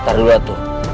tadi luat tuh